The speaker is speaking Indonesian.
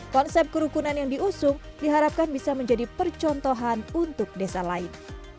konsep kerukunan yang diusung diharapkan bisa menjadi percontohan untuk desa lain